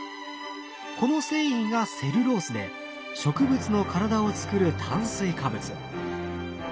この繊維がセルロースで植物の体をつくる炭水化物。